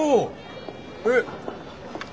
えっ。